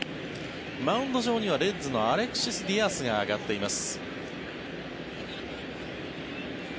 マウンド上にはレッズのアレクシス・ディアスが上がっています。